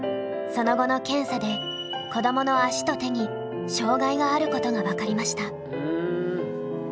その後の検査で子どもの足と手に障害があることが分かりました。